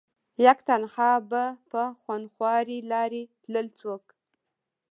يک تنها به په خونخوارې لارې تلل څوک